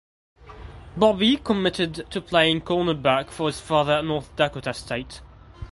Bobby committed to play cornerback for his father at North Dakota State.